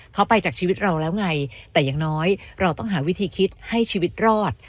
เขาไปจากชีวิตเราแล้วไงแต่อย่างน้อยเราต้องหาวิธีคิดให้ชีวิตรอด